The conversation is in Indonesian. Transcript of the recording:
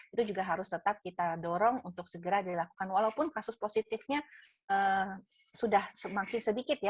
itu juga harus tetap kita dorong untuk segera dilakukan walaupun kasus positifnya sudah semakin sedikit ya